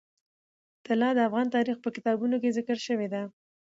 طلا د افغان تاریخ په کتابونو کې ذکر شوی دي.